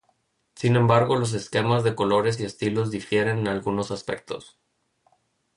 Sin embargo los esquemas de colores y estilos difieren en algunos aspectos.